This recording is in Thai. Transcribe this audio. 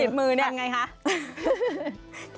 ติดมือเนี่ยคันไงคะคันไงคะ